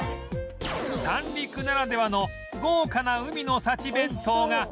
三陸ならではの豪華な海の幸弁当が安い